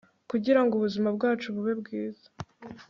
kugirango ubuzima bwacu bube bwiza